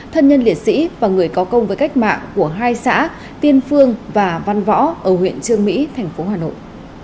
thân nhân liệt sĩ và người có công với cách mạng của hai xã tiên phương và văn võ ở huyện trương mỹ